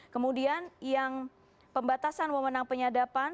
kemudian yang pembatasan memenang penyadapan